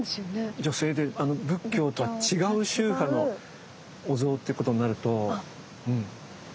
女性で仏教とは違う宗派のお像ってことになると。